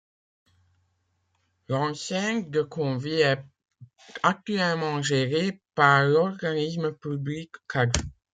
L'enceinte de Conwy est actuellement gérée par l'organisme public Cadw.